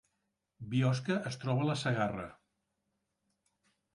Biosca es troba a la Segarra